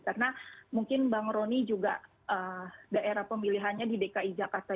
karena mungkin mbak roni juga daerah pemilihannya di dki jakarta